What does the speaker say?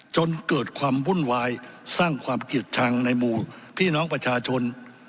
จนเกิดความวุ่นวายสร้างความเกลียดชังในหมู่พี่น้องประชาชน